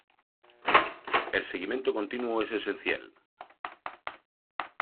El seguimiento continuo es esencial.